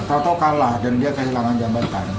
tau tau kalah dan dia kehilangan jabatan